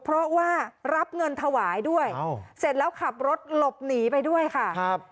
เพราะว่ารับเงินถวายด้วยเสร็จแล้วขับรถหลบหนีไปด้วยค่ะครับ